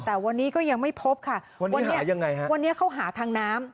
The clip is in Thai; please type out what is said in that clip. แต่วันนี้ก็ยังไม่พบค่ะวันนี้เขาหาทางน้ำ